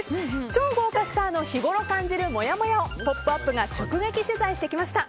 超豪華スターの日ごろ感じるもやもやを「ポップＵＰ！」が直撃取材してきました。